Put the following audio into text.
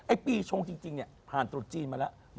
ปีชงจริงเนี่ยผ่านตรุษจีนมาแล้ว